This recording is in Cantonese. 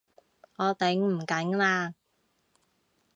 我頂唔緊喇！